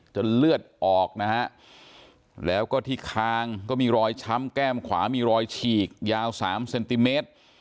เลือดออกนะฮะแล้วก็ที่คางก็มีรอยช้ำแก้มขวามีรอยฉีกยาว๓เซนติเมตร